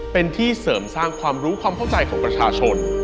เป็นที่เสริมสร้างความรู้ความเข้าใจของประชาชน